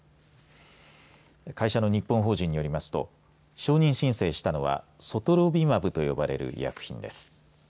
会社の日本法人によりますと承認申請したのはソトロビマブと呼ばれる医薬品です。